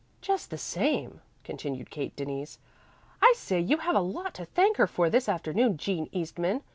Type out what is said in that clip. "Just the same," continued Kate Denise, "I say you have a lot to thank her for this afternoon, Jean Eastman.